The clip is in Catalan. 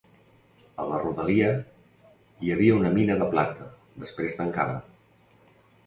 A la rodalia hi havia una mina de plata, després tancada.